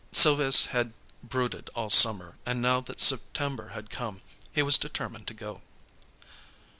Sylves' had brooded all summer, and now that September had come, he was determined to go.